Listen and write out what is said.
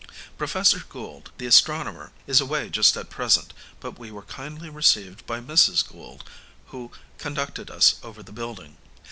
Professor Gould, the astronomer, is away just at present, but we were kindly received by Mrs. Gould, who conducted us over the building.